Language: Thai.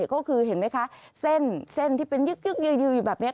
ก็คือเห็นไหมคะเส้นที่เป็นยึกยิวอยู่แบบนี้